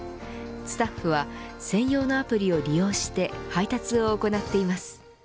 スタッフは専用のアプリを利用して配達を行っています。